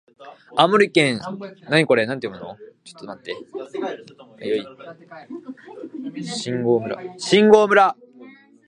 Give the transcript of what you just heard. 青森県新郷村